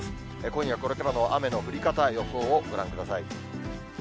今夜、これからの雨の降り方、予想をご覧ください。